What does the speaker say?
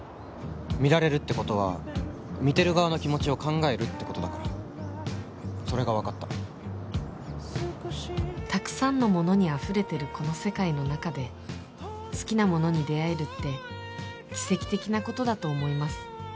見られるってことは見てる側の気持ちを考えるってことだからそれがわかったたくさんのものにあふれてるこの世界の中で好きなものに出会えるって奇跡的なことだと思います